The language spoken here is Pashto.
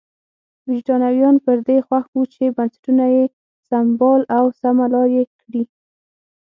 برېټانویان پر دې خوښ وو چې بنسټونه یې سمبال او سمه لار یې کړي.